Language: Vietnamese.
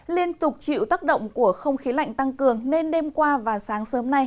liên tục chịu tác động của không khí lạnh tăng cường nên đêm qua và sáng sớm nay